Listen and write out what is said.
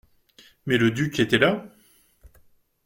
Mais le duc était là ?